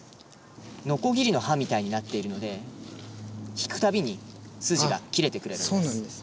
のこぎりの刃みたいになっているので引くたびに筋が切れてくれるんです。